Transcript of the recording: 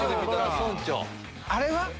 あれは？